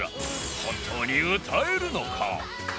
本当に歌えるのか？